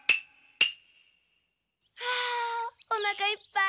あおなかいっぱい。